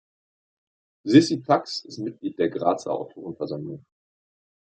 Sissi Tax ist Mitglied der Grazer Autorenversammlung.